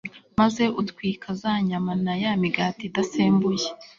maze utwika za nyama na ya migati idasembuye